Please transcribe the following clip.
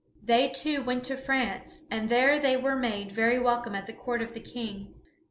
They two went to France, and there they were made very welcome at the court of the King.